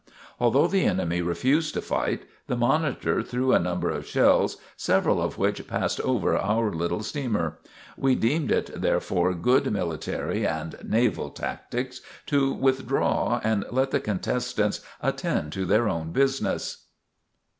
Although the enemy refused to fight, the "Monitor" threw a number of shells, several of which passed over our little steamer. We deemed it, therefore, good military, (and naval) tactics to withdraw and let the contestants attend to their own business.